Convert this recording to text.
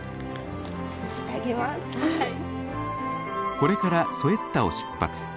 これからソエッタを出発。